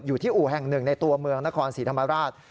อู่แห่งหนึ่งในตัวเมืองนครศรีธรรมราช